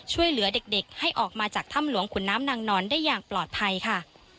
ให้ออกมาจากถ้ำหลวงขุนน้ำนางนอนได้อย่างปลอดภัยค่ะ